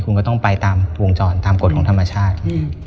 คุณก็ต้องไปตามวงจรตามกฎของธรรมชาติ